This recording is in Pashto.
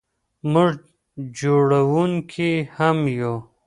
موږ جوړونکي هم یو.